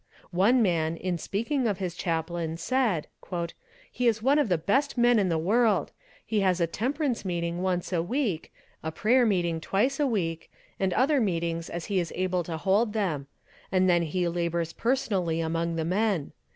One man in speaking of his chaplain, said: "He is one of the best men in the world; he has a temperance meeting once a week, a prayer meeting twice a week, and other meetings as he is able to hold them; and then he labors personally among the men.